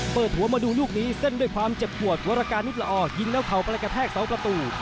เปิดหัวมาดูลูกนี้เส้นด้วยความเจ็บปวดวรกานิดละออยิงแล้วเข่าไปกระแทกเสาประตู